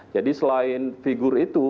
jadi selain figur itu